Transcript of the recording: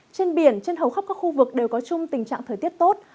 trên biển trên hầu khắp các khu vực đều có chung tình trạng thời tiết tốt